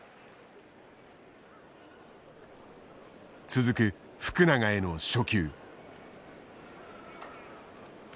続く福永への初球。